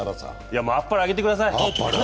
あっぱれあげてください。